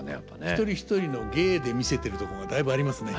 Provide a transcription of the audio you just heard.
一人一人の芸で見せてるとこがだいぶありますね。